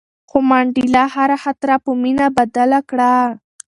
خو منډېلا هره خاطره په مینه بدله کړه.